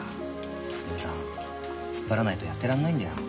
すみれさん突っ張らないとやってらんないんだよ。